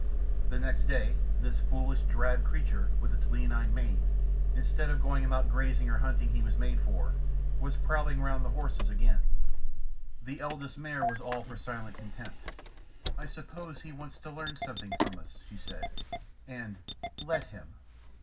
The next day this foolish drab creature with the leonine mane, instead of going about the grazing or hunting he was made for, was prowling round the horses again. The Eldest Mare was all for silent contempt. "I suppose he wants to learn something from us," she said, and "Let him."